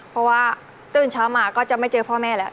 เพราะว่าตื่นเช้ามาก็จะไม่เจอพ่อแม่แล้ว